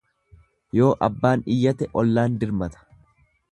Yoo abbaan iyyate ollaan dirmata.